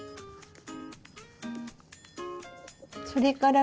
それから